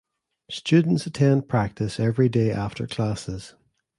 Students attend practice every day after classes.